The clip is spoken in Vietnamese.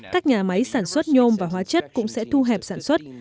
các nhà máy sản xuất nhôm và hóa chất cũng sẽ thu hẹp sản xuất